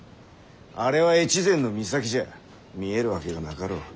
あれは越前の岬じゃ見えるわけがなかろう。